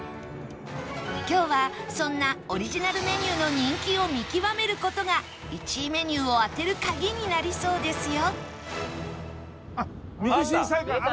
今日はそんなオリジナルメニューの人気を見極める事が１位メニューを当てる鍵になりそうですよ